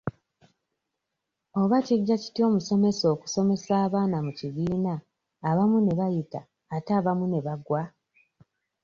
Oba kijja kitya omusomesa okusomesa abaana mu kibiina abamu ne bayita ate abamu ne bagwa?